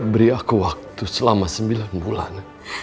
beri aku waktu selama sembilan bulan